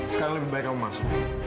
sekarang lebih baik kamu masuk